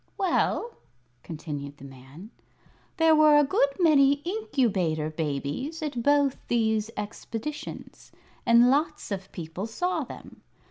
"Well," continued the man, "there were a good many Incubator Babies at both those expositions, and lots of people saw them.